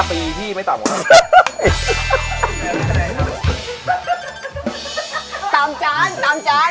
๕ปีพี่ไม่ต่ำแล้ว